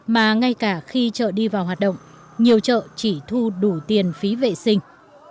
mà ngay cả khi chợ đi vào hoạt động nhiều chợ chỉ thu đủ tiền phí vệ sinh